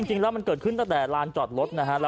จริงแล้วมันเกิดขึ้นตั้งแต่ลานจอดรถนะฮะ